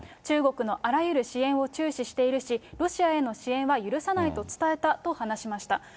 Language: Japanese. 中国のあらゆる支援を中止しているし、ロシアへの支援は許さないと伝えたと話しました。